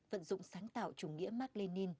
vận dụng sáng tạo chủ nghĩa mark lenin